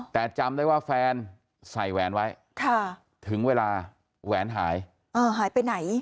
แต่จำได้ว่าแฟนใส่แหวนไว้ถึงเวลาแหวนหายหายไปไหน